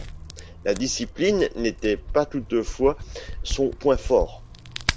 La discipline n'était pas toutefois son point fort.